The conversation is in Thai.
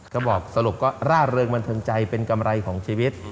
ก็บอกสรุปก็ร่าเริงบันเทิงใจเป็นกำไรของชีวิต